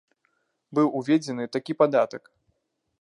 Быў уведзены такі падатак.